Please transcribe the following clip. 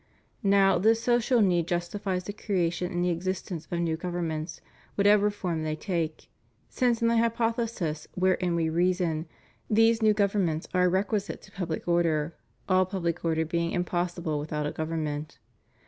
Now, this social need justifies the creation and the existence of new govern ments, whatever form they take ; since, in the hypothesis wherein we reason, these new governments are a requisite to public order, all pubUc order being impossible without a government.